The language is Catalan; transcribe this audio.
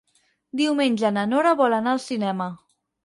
Diumenge na Nora vol anar al cinema.